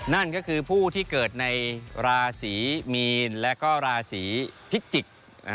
นั่นก็คือผู้ที่เกิดในราศีมีนและก็ราศีพิจิกษ์